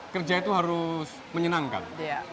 kerja itu harus menyenangkan